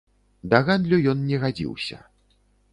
Да гандлю ён не гадзіўся.